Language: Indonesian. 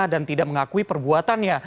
dan tidak mengakui perbuatannya